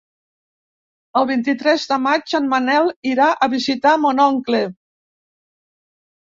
El vint-i-tres de maig en Manel irà a visitar mon oncle.